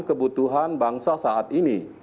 kebutuhan bangsa saat ini